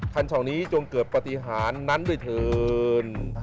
ช่องนี้จงเกิดปฏิหารนั้นด้วยเถิน